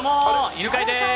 犬飼です！